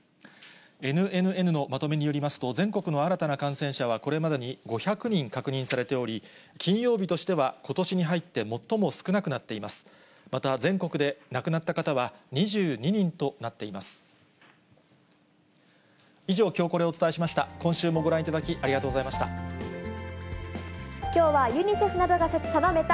ＮＮＮのまとめによりますと、全国の新たな感染者は、これまでに５００人確認されており、金曜日としてはことしに入っ以上、きょうコレをお伝えしました。